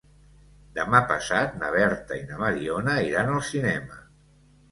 Demà passat na Berta i na Mariona iran al cinema.